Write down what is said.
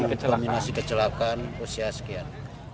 yang paling mendominasi kecelakaan usia sekian